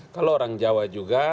kalau orang jawa juga